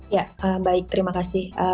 ya baik terima kasih